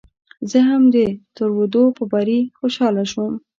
زه هم د ترودو په بري خوشاله شوم.